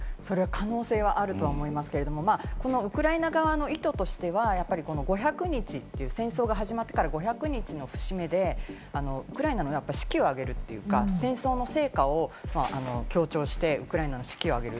可能性はあるわけですが、ウクライナ側の意図としては５００日という戦争が始まってから５００日の節目で、ウクライナの士気を上げるというか、戦争の成果を強調して、ウクライナの士気を上げる。